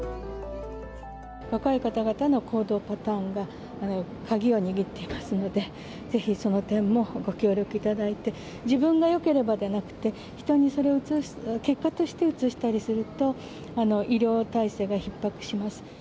若い方々の行動パターンが鍵を握ってますので、ぜひその点もご協力いただいて、自分がよければじゃなくって、人にそれを、結果としてうつしたりすると、医療体制がひっ迫します。